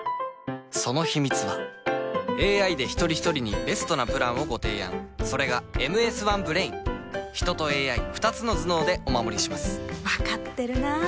そのヒミツはＡＩで一人ひとりにベストなプランをご提案それが「ＭＳ１Ｂｒａｉｎ」人とＡＩ２つの頭脳でお守りします分かってるなぁ